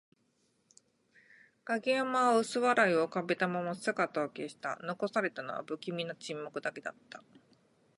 影山は薄笑いを浮かべたまま姿を消した。残されたのは、不気味な沈黙だけだった。